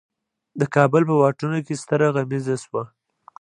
د کابل په واټونو کې ستره غمیزه شوه.